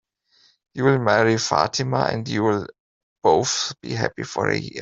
You'll marry Fatima, and you'll both be happy for a year.